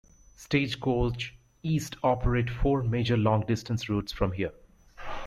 Stagecoach East operate four major long-distance routes from here.